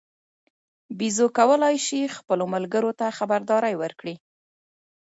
بیزو کولای شي خپلو ملګرو ته خبرداری ورکړي.